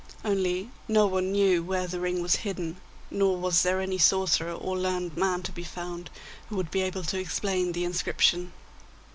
Only no one knew where the ring was hidden, nor was there any sorcerer or learned man to be found who would be able to explain the inscription.